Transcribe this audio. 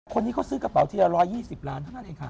คนนี้เขาซื้อกระเป๋าที่๑๒๐ล้านบาทเลยค่ะ